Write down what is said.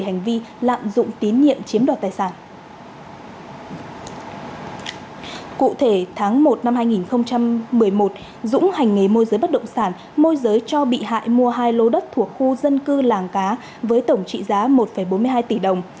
năm hai nghìn một mươi một dũng hành nghề môi giới bất động sản môi giới cho bị hại mua hai lô đất thuộc khu dân cư làng cá với tổng trị giá một bốn mươi hai tỷ đồng